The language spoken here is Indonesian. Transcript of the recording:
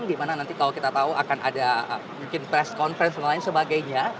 dimana nanti kalau kita tahu akan ada mungkin press conference dan lain sebagainya